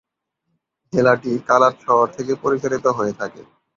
জেলাটি কালাত শহর থেকে পরিচালিত হয়ে থাকে।